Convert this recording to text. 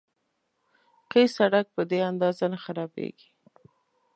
قیر سړک په دې اندازه نه خرابېږي.